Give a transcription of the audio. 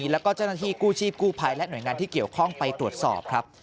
แล้วก็เจ้าหน้าที่กู้ชีพกู้ภัยและหน่วยงานที่เกี่ยวข้องไปตรวจสอบครับ